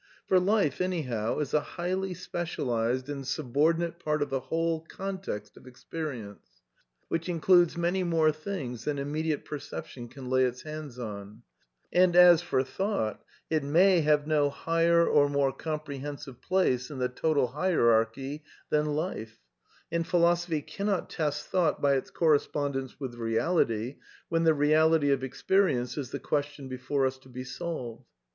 For life, anyhow, is a highly specialized and subordinate part of the whole con {/ text of experience, which includes many more things than immediate perception can lay its hands on; and, as for thought, it may have no higher or more comprehensive place in the total hierarchy than life ; and philosophy cannot test thougnt by its correspondence with reality, when the reality of experience is the question before us to be solved.